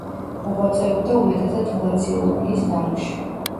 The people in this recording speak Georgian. მოღვაწეობდა უმეტესად გლაციოლოგიის დარგში.